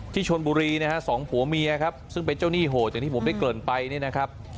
ชนบุรีนะฮะสองผัวเมียครับซึ่งเป็นเจ้าหนี้โหดอย่างที่ผมได้เกริ่นไปนี่นะครับ